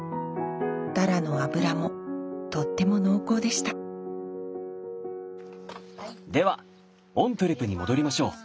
タラの油もとっても濃厚でしたではオントゥレに戻りましょう。